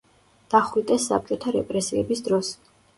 დახვრიტეს საბჭოთა რეპრესიების დროს.